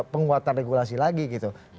penguatan regulasi lagi gitu